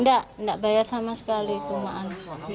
nggak nggak bayar sama sekali cuman